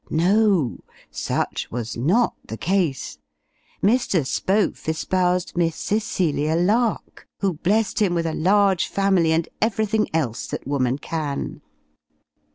No, such was not the case! Mr. Spohf espoused Miss Cecilia Lark, who blessed him with a large family and everything else that woman can.